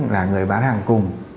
là người bán hàng cùng